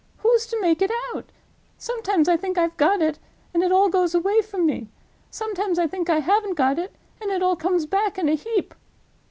Who's to make it out? Sometimes I think I've got it, and it all goes away from me. Sometimes I think I haven't got it, and it all comes back in a heap.